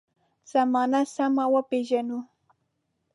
زمانه سمه وپېژنو.